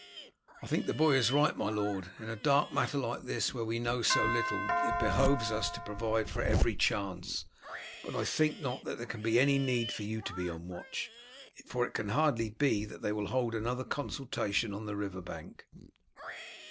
"I think the boy is right, my lord. In a dark matter like this, where we know so little, it behoves us to provide for every chance. But I think not that there can be any need for you to be on watch, for it can hardly be that they will hold another consultation on the river bank."